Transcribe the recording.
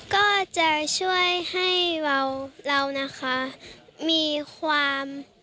ก็จะช่วยให้เรานะคะ